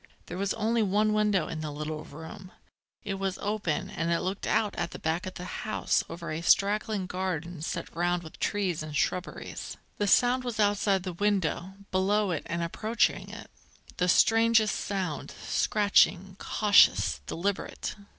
There was only one window in the little room; it was open, and it looked out at the back of the house over a straggling garden set round with trees and shrubberies. The sound was outside the window, below it and approaching it, the strangest sound, scratching, cautious, deliberate.